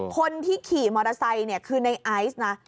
คนที่ขี่มอเตอร์ไซค์เนี่ยคือในไอซ์นะ